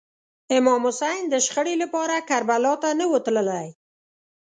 امام حسین د شخړې لپاره کربلا ته نه و تللی.